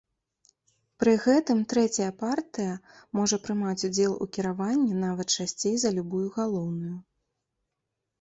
Пры гэтым трэцяя партыя можа прымаць удзел у кіраванні нават часцей за любую галоўную.